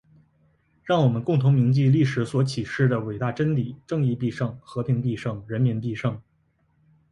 让我们共同铭记历史所启示的伟大真理：正义必胜！和平必胜！人民必胜！